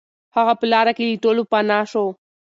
هغه په لاره کې له ټولو پناه شو.